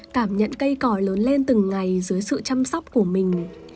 cảm nhận cây còi lớn lên từng ngày dưới sự chăm sóc của mình